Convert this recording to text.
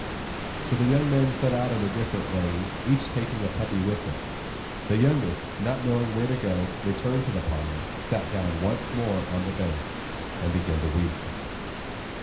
So the young men set out on their different ways, each taking a puppy with him. The youngest, not knowing where to go, returned to the pond, sat down once more on the bank, and began to weep.